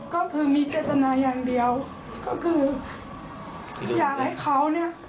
ก็คือมีเจตนาอย่างเดียวก็คืออยากให้เขาเนี่ย